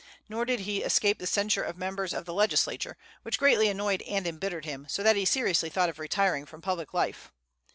Nor did he escape the censure of members of the legislature, which greatly annoyed and embittered him, so that he seriously thought of retiring from public life.